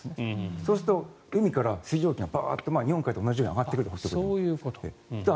そうすると海から水蒸気が日本海と同じように上がってくると。